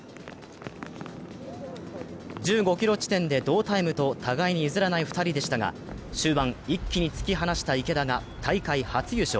１５ｋｍ地点で同タイムと互いに譲らない２人でしたが、終盤、一気に突き放した池田が大会初優勝。